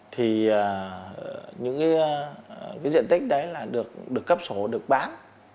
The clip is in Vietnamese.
thì những diện tích đấy là được cấp sổ được bán